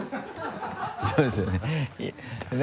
そうですよね